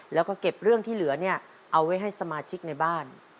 แล้วก็เก็บเรื่องที่เหลือเนี่ยเอาไว้ให้สมาชิกในบ้าน